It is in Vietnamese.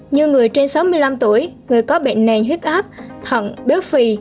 như người trên sáu mươi năm tuổi người có bệnh nền huyết áp thận béo phì